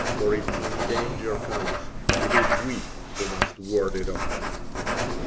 For if any danger comes, it is we who must ward it off."